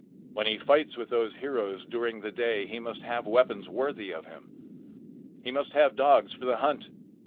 When he fights with those heroes during the day, he must have weapons worthy of him. He must have dogs for the hunt.